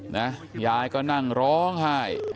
ยายบอกรับไม่ได้กับเหตุการณ์ที่เกิดขึ้นมีหลานอยู่คนเดียว